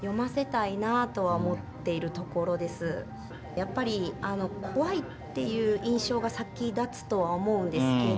やっぱり怖いっていう印象が先立つとは思うんですけど。